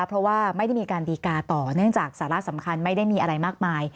เพราะว่าไม่ได้มีการดีกาต่อเนื่องจากสาระสำคัญไม่ได้มีอะไรมากมาย